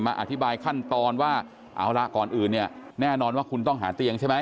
อธิบายขั้นตอนว่าเอาละก่อนอื่นเนี่ยแน่นอนว่าคุณต้องหาเตียงใช่ไหม